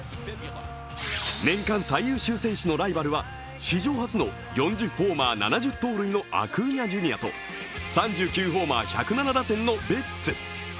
年間最優秀選手賞のライバルは史上初の４１打点７３盗塁のアクーニャ・ジュニアと３９ホーマー１０７打点のベッツ。